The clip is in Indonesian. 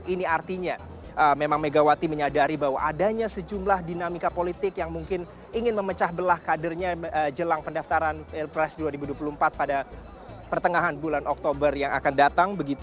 ini artinya memang megawati menyadari bahwa adanya sejumlah dinamika politik yang mungkin ingin memecah belah kadernya jelang pendaftaran pilpres dua ribu dua puluh empat pada pertengahan bulan oktober yang akan datang